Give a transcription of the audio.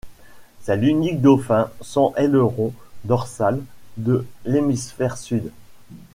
C'est l'unique dauphin sans aileron dorsal de l'Hémisphère Sud.